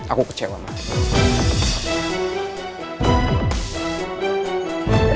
aku pikir lihat mama tulus mau ngajak aku di dinner